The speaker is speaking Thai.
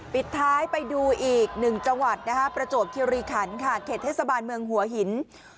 ปิดท้ายไปดูอีก๑จังหวัดประโจทย์คิริขันเข็ดเทศบาลเมืองหัวหิน